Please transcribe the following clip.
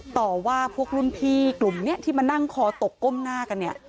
ต่อว่าพวกรุ่นพี่กลุ่มนี้ที่มานั่งคอตกก้มหน้ากันเนี่ย